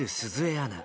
アナ。